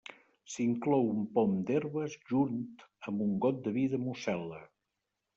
S'inclou un pom d'herbes junt amb un got de vi de Mosel·la.